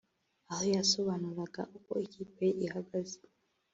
aho yasobanuraga uko ikipe ye ihagaze